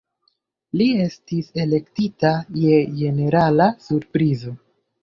Li estis elektita je ĝenerala surprizo.